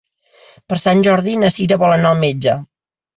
Per Sant Jordi na Sira vol anar al metge.